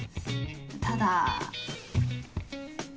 ただ。